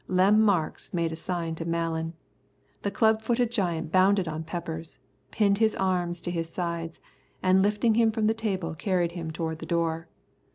Lem Marks made a sign to Malan. The club footed giant bounded on Peppers, pinned his arms to his sides, and lifting him from the table carried him toward the door.